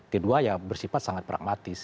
kedua ya bersifat sangat pragmatis